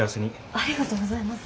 ありがとうございます。